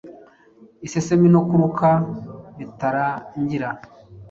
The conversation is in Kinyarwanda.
isesemi no kuruka bitarangira